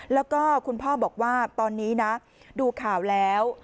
แล้วก็คุณพ่อบอกว่าตอนนี้นะดูข่าวแล้ว